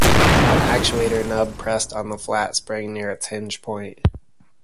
An actuator nub presses on the flat spring near its hinge point.